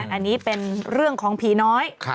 อันนี้เป็นเรื่องของผีน้อย